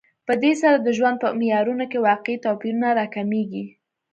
په دې سره د ژوند په معیارونو کې واقعي توپیرونه راکمېږي